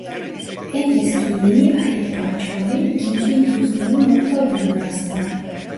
En eski Yeni Ahit parçaları ikinci yüzyılın ortalarına rastlar.